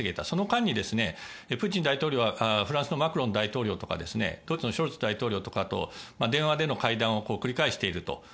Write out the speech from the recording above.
その間にプーチン大統領はフランスのマクロン大統領とかドイツのショルツ首相とかと電話での会談を繰り返していると。